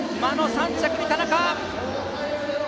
３着に田中。